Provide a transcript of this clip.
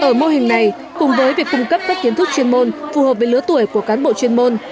ở mô hình này cùng với việc cung cấp các kiến thức chuyên môn phù hợp với lứa tuổi của cán bộ chuyên môn